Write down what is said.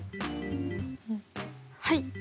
はい。